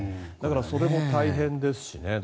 それも大変ですしね。